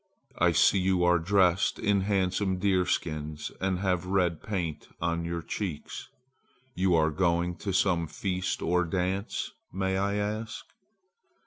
I see you are dressed in handsome deerskins and have red paint on your cheeks. You are going to some feast or dance, may I ask?"